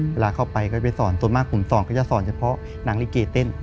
เวลาเข้าไปก็จะไปสอนส่วนมากผมสอนก็จะสอนเฉพาะนางลิเกเต้น